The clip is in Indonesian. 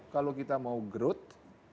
kalau kita mau growth